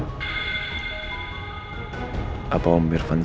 kalau saya tidak bikin begini